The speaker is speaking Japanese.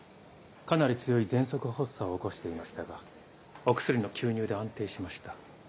かなり強い喘息発作を起こしていましたがお薬の吸入で安定しました。